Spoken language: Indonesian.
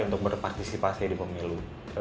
untuk berpartisipasi di pemilu